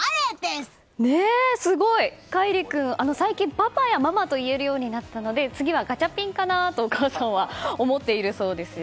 海里君、最近パパやママと言えるようになったので次はガチャピンかなとお母さんは思っているそうですよ。